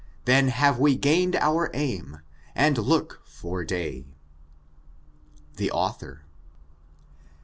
Then have we gain*d our aim, and look for day. THE AUTHOR.